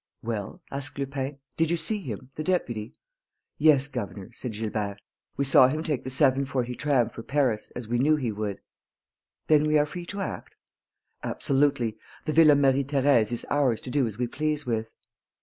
"Well," asked Lupin, "did you see him, the deputy?" "Yes, governor," said Gilbert, "we saw him take the 7.40 tram for Paris, as we knew he would." "Then we are free to act?" "Absolutely. The Villa Marie Thérèse is ours to do as we please with."